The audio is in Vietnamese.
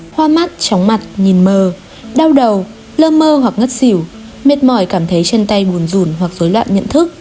hoa mắt tróng mặt nhìn mờ đau đầu lơ mơ hoặc ngất xỉu mệt mỏi cảm thấy chân tay buồn rùn hoặc dối loạn nhận thức